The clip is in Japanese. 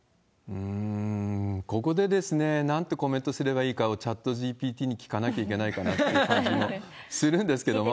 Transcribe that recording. ここでですね、なんてコメントすればいいかをチャットＧＰＴに聞かなきゃいけないかなという感じもするんですけれども。